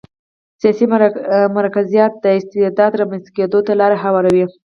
سیاسي مرکزیت د استبداد رامنځته کېدو ته لار هواروي.